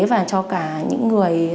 và cho cả những người